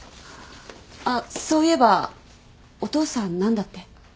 あっそういえばお父さん何だって？